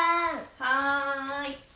はい。